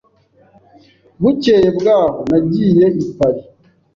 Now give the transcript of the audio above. Bukeye bwaho, nagiye i Paris.